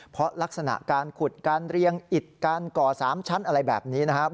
เพราะลักษณะการขุดการเรียงอิดการก่อ๓ชั้นอะไรแบบนี้นะครับ